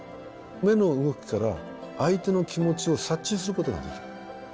目の動きから相手の気持ちを察知することができる。